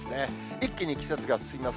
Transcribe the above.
一気に季節が進みます。